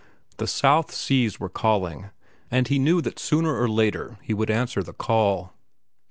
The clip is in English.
The South Seas were calling, and he knew that sooner or later he would answer the call.